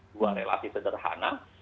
dua relasi sederhana